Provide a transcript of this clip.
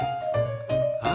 あ？